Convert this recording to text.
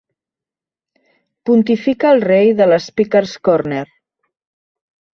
Pontifica el rei de l'Speaker's Corner—.